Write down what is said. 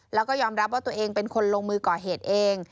แล้วก็ยอมรับว่าตัวเองเป็นคนลงมือก่อเหตุเอง